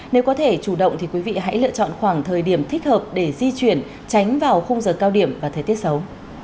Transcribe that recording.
nếu có thể chủ động thì quý vị hãy lựa chọn khoảng thời điểm thích hợp để di chuyển tránh vào khung giờ cao điểm và thời tiết xấu